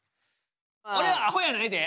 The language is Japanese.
俺はあほやないで。